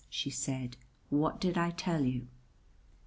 she said. "What did I tell you?"